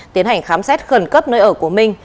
tiến hành khám xét khẩn cấp nơi ở của minh